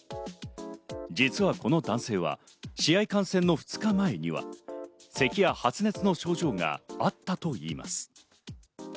実はこの男性は試合観戦の２日前には、咳や発熱の症状があったといいます。